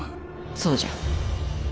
そうじゃ。